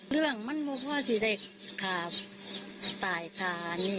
เรื่องมันเพราะว่าที่เด็กขาตายค่ะ